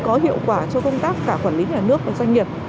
có hiệu quả cho công tác cả quản lý nhà nước và doanh nghiệp